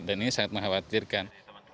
dan ini sangat mengkhawatirkan